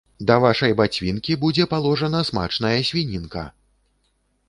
Да вашай бацвінкі будзе паложана смачная свінінка.